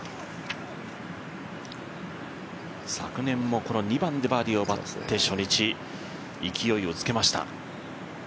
昨年もこの２番でバーディーを奪って初日勢いをつけました。